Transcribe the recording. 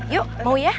yuk mau ya